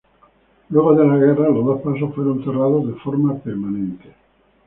Luego de la guerra los dos pasos fueron cerrados de forma permanente.